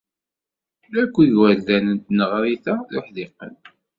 Akk igerdan n tneɣrit-a d uḥdiqen.